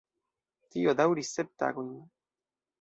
Tio daŭris sep tagojn.